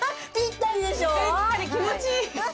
ぴったり気持ちいい！